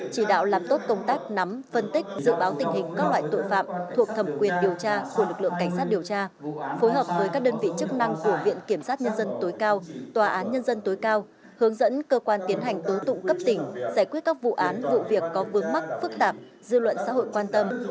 chỉ đạo làm tốt công tác nắm phân tích dự báo tình hình các loại tội phạm thuộc thẩm quyền điều tra của lực lượng cảnh sát điều tra phối hợp với các đơn vị chức năng của viện kiểm sát nhân dân tối cao tòa án nhân dân tối cao hướng dẫn cơ quan tiến hành tố tụng cấp tỉnh giải quyết các vụ án vụ việc có vướng mắc phức tạp dư luận xã hội quan tâm